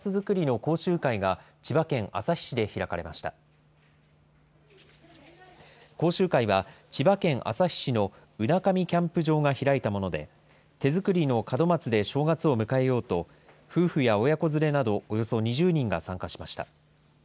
講習会は、千葉県旭市の海上キャンプ場が開いたもので、手作りの門松で正月を迎えようと、親子連れなど、およそ２０人が参加しました。